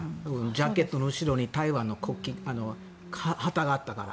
ジャケットの後ろに台湾の国旗、旗があったから。